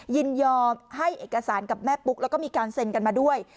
ยินยอมให้เอกสารกับแม่ปุ๊กแล้วก็มีการเซ็นกันมาด้วย